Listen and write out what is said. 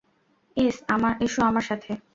S আমার সাথে।